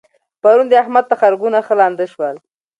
پرون د احمد تخرګونه ښه لانده شول.